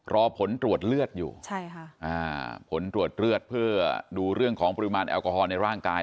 รอผลตรวจเลือดอยู่ใช่ค่ะอ่าผลตรวจเลือดเพื่อดูเรื่องของปริมาณแอลกอฮอลในร่างกาย